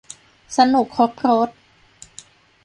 สนุกครบรส